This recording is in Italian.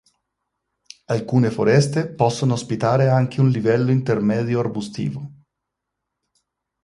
Alcune foreste possono ospitare anche un livello intermedio arbustivo.